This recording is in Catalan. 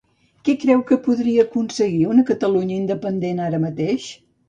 Què creu que podria aconseguir una Catalunya independent ara mateix?